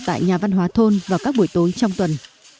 tại nhà văn hóa thôn vào các buổi tối trong tuần